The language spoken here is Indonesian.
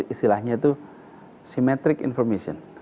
istilahnya itu symmetric information